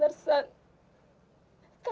sejak dia ditahan oleh pak sersan